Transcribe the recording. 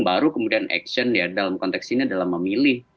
baru kemudian action ya dalam konteks ini adalah memilih